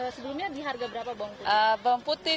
sebelumnya di harga berapa bawang putih